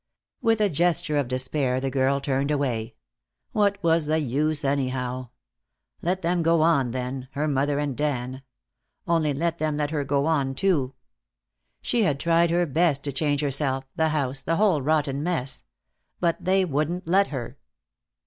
With a gesture of despair the girl turned away. What was the use, anyhow? Let them go on, then, her mother and Dan. Only let them let her go on, too. She had tried her best to change herself, the house, the whole rotten mess. But they wouldn't let her.